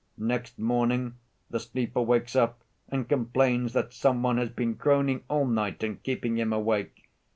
Next morning the sleeper wakes up and complains that some one has been groaning all night and keeping him awake.